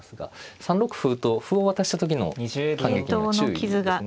３六歩と歩を渡した時の反撃には注意ですね。